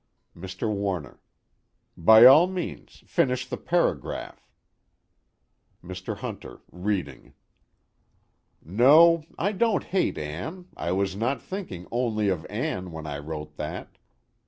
MR. WARNER: By all means, finish the paragraph. MR. HUNTER (reading): "... No, I don't hate Ann, I was not thinking only of Ann when I wrote that.